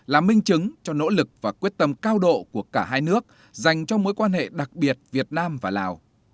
là minh chứng cho nỗ lực và quyết tâm cao độ của cả hai nước dành cho mối quan hệ đặc biệt việt nam và lào